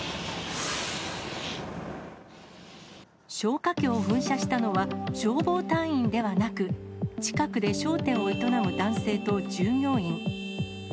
消火器を噴射したのは、消防隊員ではなく、近くで商店を営む男性と従業員。